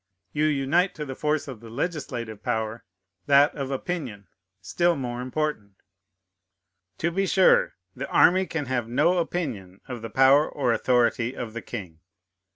You unite to the force of the legislative power that of opinion, still more important." To be sure, the army can have no opinion of the power or authority of the king.